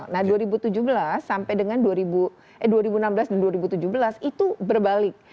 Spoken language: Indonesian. nah dua ribu tujuh belas sampai dengan dua ribu enam belas dan dua ribu tujuh belas itu berbalik